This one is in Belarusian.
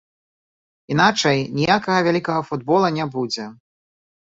Іначай ніякага вялікага футбола не будзе.